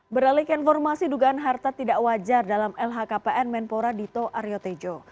beralik informasi dugaan harta tidak wajar dalam lhkpn menpora dito aryo tejo